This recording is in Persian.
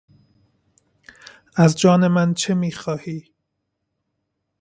از جان من چه میخواهی؟